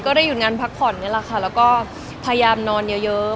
ได้หยุดงานพักผ่อนนี่แหละค่ะแล้วก็พยายามนอนเยอะเยอะ